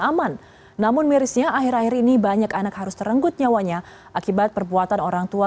aman namun mirisnya akhir akhir ini banyak anak harus terenggut nyawanya akibat perbuatan orang tua